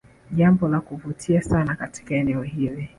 Jambo la kuvutia sana katika eneo hili